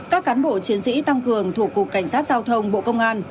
các cán bộ chiến sĩ tăng cường thuộc cục cảnh sát giao thông bộ công an